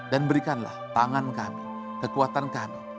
dan berikanlah tangan kami kekuatan kami